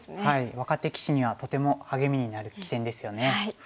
若手棋士にはとても励みになる棋戦ですよね。